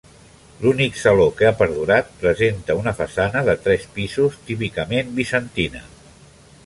L'únic saló que ha perdurat presenta una façana de tres pisos típicament bizantina.